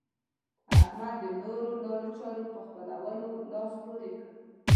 احمد د نورو لارو چارو په خپلولو لاس پورې کړ.